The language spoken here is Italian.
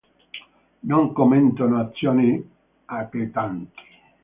Non commettono azioni eclatanti.